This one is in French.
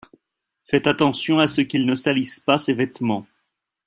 Faites attention à ce qu’il ne salisse pas ses vêtements.